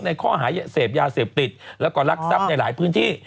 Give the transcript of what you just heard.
ในข้อหาเสพยาเสพติดแล้วก็รักทรัพย์ในหลายพื้นที่